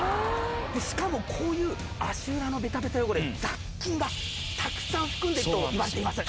しかもこういう足裏のベタベタ汚れ雑菌がたくさん含んでいるといわれています。